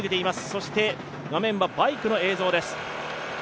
そして画面はバイクの映像です。